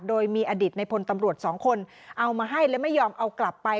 โดยมีอดิตในพลตำรวจสองคนเอามาให้และไม่ยอมเอากลับไป